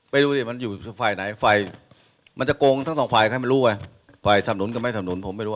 ดูสิมันอยู่ฝ่ายไหนฝ่ายมันจะโกงทั้งสองฝ่ายใครไม่รู้ไงฝ่ายสำนุนก็ไม่สำนุนผมไม่รู้